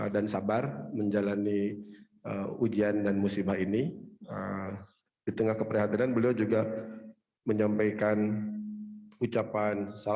dan kami berkomunikasi dengan keluarga dan kedutaan